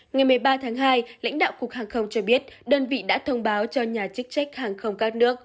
ngày một mươi ba tháng hai lãnh đạo cục hàng không cho biết đơn vị đã thông báo cho nhà chức trách hàng không các nước